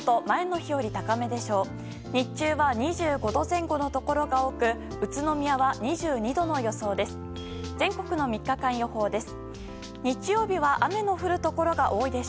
日中は２５度前後のところが多く宇都宮は２２度の予想です。